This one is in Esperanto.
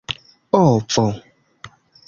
ovo